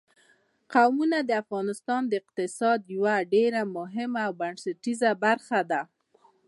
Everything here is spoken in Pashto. قومونه د افغانستان د اقتصاد یوه ډېره مهمه او بنسټیزه برخه ده.